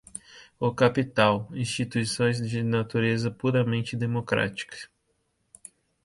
o capital, instituição de natureza puramente democrática